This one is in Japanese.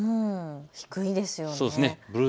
低いですよね。